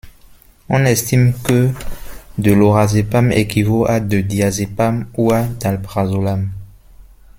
On estime que de lorazépam équivaut à de diazépam ou à d'alprazolam.